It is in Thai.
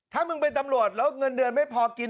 ถ้ามึงเป็นตำรวจแล้วเงินเดือนไม่พอกิน